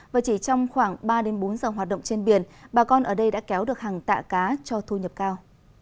và chỉ trong khoảng ba bốn giờ hoạt động trên biển bà con ở đây đã kéo được hàng tạ cá cho thu nhập cao